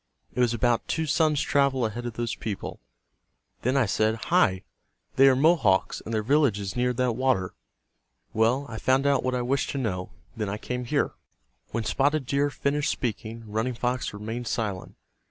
It was about two suns' travel ahead of those people. Then I said, 'Hi, they are Mohawks, and their village is near that water.' Well, I found out what I wished to know. Then I came here." When Spotted Deer finished speaking Running Fox remained silent.